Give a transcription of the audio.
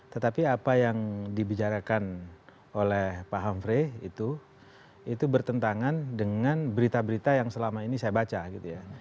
tetapi apa yang dibicarakan oleh pak hamfrey itu itu bertentangan dengan berita berita yang selama ini saya baca gitu ya